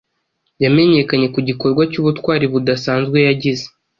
yamenyekanye ku gikorwa cy’ubutwari budasanzwe yagize